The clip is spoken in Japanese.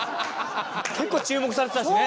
結構注目されてたしね。